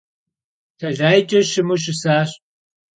Telayç'e şımu şısaş.